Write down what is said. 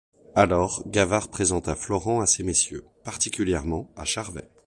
Alors, Gavard présenta Florent à ces messieurs, particulièrement à Charvet.